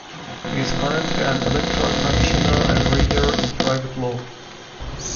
He is currently an Electoral Commissioner, and Reader in Private Law.